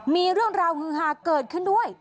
มีเรื่องราวฮือฮาเกิดขึ้นด้วย